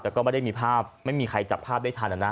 แต่ก็ไม่ได้มีภาพไม่มีใครจับภาพได้ทันนะ